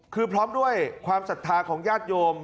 คือพร้อมด้วยความศรัทธาของญาติโยม